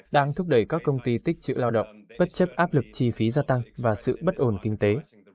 đang thúc đẩy các công ty tích chữ lao động bất chấp áp lực chi phí gia tăng và sự bất ổn kinh tế